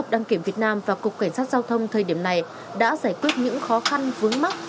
đăng kiểm việt nam và cục cảnh sát giao thông thời điểm này đã giải quyết những khó khăn vướng mắt